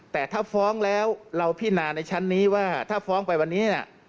แต่ถ้าฟ้องแล้วเราพินาในชั้นนี้ว่าถ้าฟ้องไปวันนี้เนี่ย